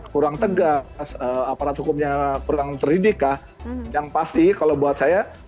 kurang tegas aparat hukumnya kurang terdidik lah yang pasti kalau buat saya